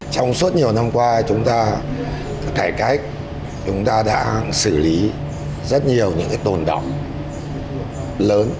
trong suốt nhiều năm qua chúng ta cải cách chúng ta đã xử lý rất nhiều những tồn động lớn